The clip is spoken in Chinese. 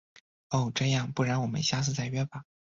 哦……这样，不然我们下次再约吧。